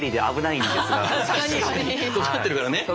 とがってるからね。